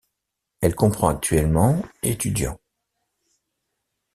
Elle comprend actuellement étudiants.